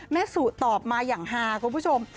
เมสูโตปนายังหาคุณผู้ชม